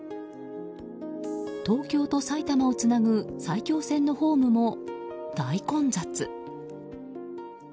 東京と埼玉をつなぐ埼京線のホームも大混雑。